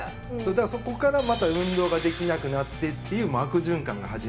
そこからまた運動ができなくなってっていう悪循環が始まってしまうので。